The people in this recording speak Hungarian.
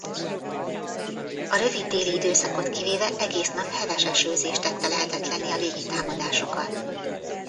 A rövid déli időszakot kivéve egész nap heves esőzés tette lehetetlenné a légi támadásokat.